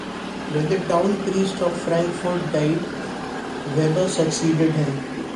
When the town priest of Frankfurt died, Weber succeeded him.